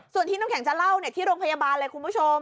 ส่วนที่น้ำแข็งจะเล่าที่โรงพยาบาลเลยคุณผู้ชม